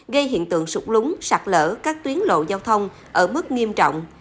gây hiện tượng sụt lún sạt lở các tuyến lộ giao thông ở mức nghiêm trọng